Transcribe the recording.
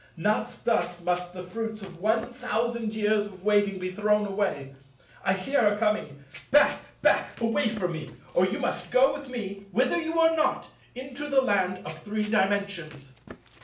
Not thus must the fruits of one thousand years of waiting be thrown away. I hear her coming. Back! back! Away from me, or you must go with me—wither you know not—into the Land of Three Dimensions!"